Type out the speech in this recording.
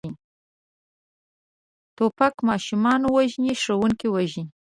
توپک ماشومان وژني، ښوونکي وژني.